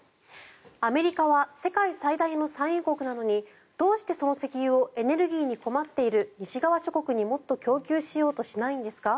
アメリカは世界最大の産油国なのにどうしてその石油をエネルギーに困っている西側諸国にもっと供給しようとしないんですか？